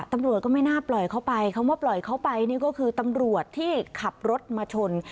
ตำรวจก็ไม่น่าปล่อยเข้าไปคำว่าปล่อยเขาไปนี่ก็คือตำรวจที่ขับรถมาชน